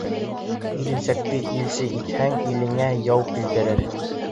Иренсәкте илсе итһәң, илеңә яу килтерер.